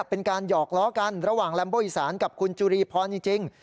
เป็นการหยอกล้อกันระหว่างแรมโบอีสานกับคุณจุรีพรจริง